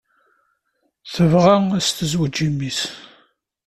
Tebɣa ad s-tezweǧ i mmi-s.